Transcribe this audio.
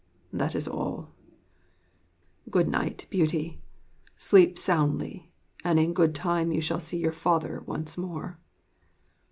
That is all. Good night, Beauty! Sleep soundly, and in good time you shall see your father once more.'